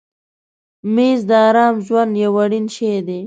مېز د آرام ژوند یو اړین شی دی.